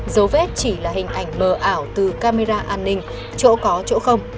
dấu vết chỉ là hình ảnh mờ ảo từ camera an ninh chỗ có chỗ không